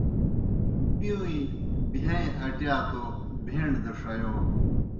بِیؤݩئے بِہَان٘ئیں اٹِیا توْ بہیݨ دہ ݜیوݨ۔